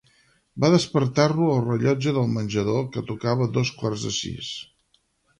Va despertar-lo el rellotge del menjador que tocava dos quarts de sis.